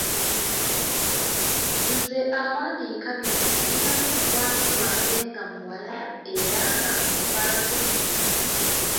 Nze awandiika bino nnalinako mukwano gwange nga muwala era nga mufaako nnyo.